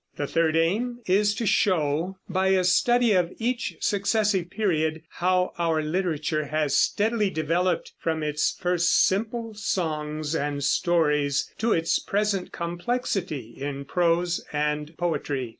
The third aim is to show, by a study of each successive period, how our literature has steadily developed from its first simple songs and stories to its present complexity in prose and poetry.